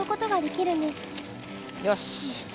よし！